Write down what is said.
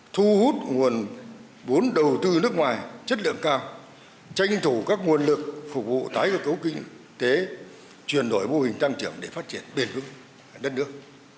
thu hút nguồn vốn đầu tư nước ngoài chất lượng cao tranh thủ các nguồn lực phục vụ tái cơ cấu kinh tế chuyển đổi mô hình tăng trưởng để phát triển bền vững đất nước